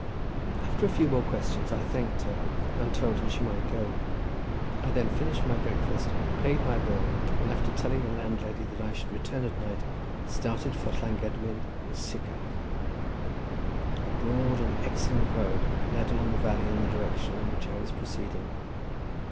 After a few more questions I thanked her and told her she might go. I then finished my breakfast, paid my bill, and, after telling the landlady that I should return at night, started for Llangedwin and Sycharth. A broad and excellent road led along the valley in the direction in which I was proceeding.